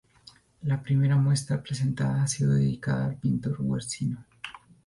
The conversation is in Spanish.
La primera muestra presentada ha sido dedicada al pintor Guercino.